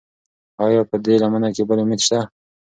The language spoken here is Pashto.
ایا په دې لمنه کې بل امید شته؟